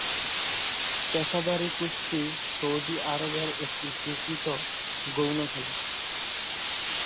পেশাদারি কুস্তি সৌদি আরবের একটি স্বীকৃত গৌণ খেলা।